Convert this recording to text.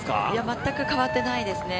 全く変わってないですね。